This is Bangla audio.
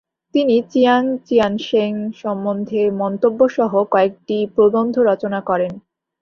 তিনি 'চিয়াং চিয়ানশেং সম্বন্ধে মন্তব্য'সহ কয়েকটি প্রবন্ধ রচনা করেন।